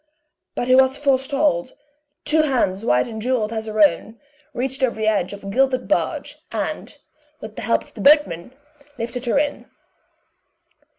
But he was forestalled, two hands white and jeweled as her own, reached over the edge of a gilded barge, and, with the help of the boatmen, lifted her in.